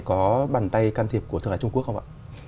có bàn tay can thiệp của thượng hải trung quốc không ạ